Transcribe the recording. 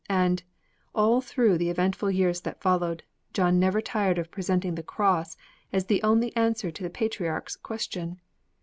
And, all through the eventful years that followed, John never tired of presenting the Cross as the only answer to the Patriarch's question.